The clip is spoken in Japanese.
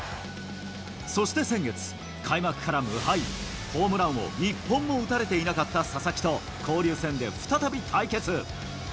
そして先月、開幕から無敗、ホームランを一本も打たれていなかった佐々木と交流戦で再び対決。